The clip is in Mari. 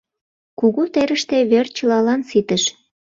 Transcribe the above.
Кугу терыште вер чылалан ситыш.